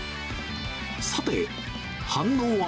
さて、反応は。